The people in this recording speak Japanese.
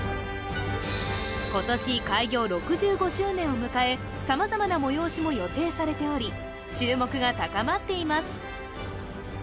今年開業６５周年を迎えさまざまな催しも予定されており注目が高まっています